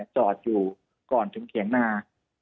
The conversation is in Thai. จอดอยู่ก่อนถึงเถียงนา